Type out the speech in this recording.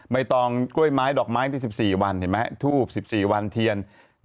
ไม่ต้องกล้วยไม้ดอกไม้๑๔วันทูบ๑๔วันเทียน